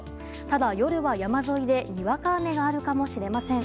ただ、夜は山沿いでにわか雨があるかもしれません。